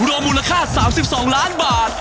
รวมมูลค่า๓๒ล้านบาท